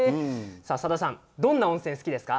さださん、どんな温泉が好きですか？